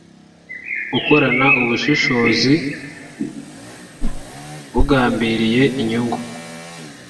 gukorana ubushishozi bugambiriye inyungu